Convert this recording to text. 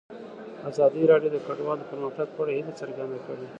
ازادي راډیو د کډوال د پرمختګ په اړه هیله څرګنده کړې.